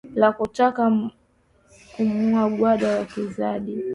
la kutaka kumuua guard wizikadi